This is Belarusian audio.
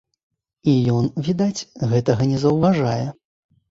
І ён, відаць, гэтага не заўважае.